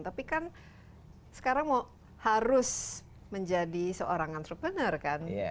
tapi kan sekarang harus menjadi seorang entrepreneur kan